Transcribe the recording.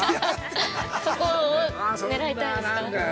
◆そこは、狙いたいですか。